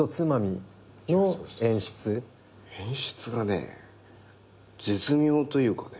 演出がね絶妙というかね。